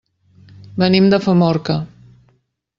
Venim de Famorca.